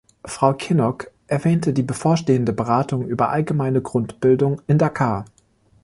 Frau Kinnock erwähnte die bevorstehende Beratung über allgemeine Grundbildung in Dakar.